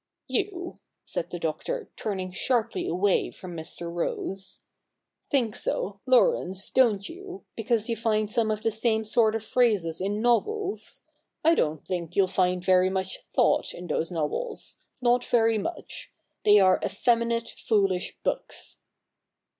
'You,' said the Doctor, turning sharply away from Mr. Rose, ' think so, Laurence, don't you, because you find some of the same sort of phrases in novels ? I don't think you'll find very much thought in those novels — not ver} much. They are effeminate foolish books.'